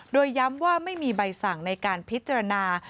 โดยย้ำว่าไม่มีใบสั่งในการพิจารณา